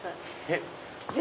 えっ？